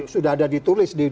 sudah ada ditulis